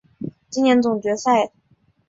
今年总决赛再度于台北小巨蛋举行。